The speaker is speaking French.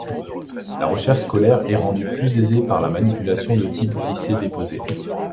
La recherche scolaire est rendue plus aisée par la manipulation de type glisser-déposer.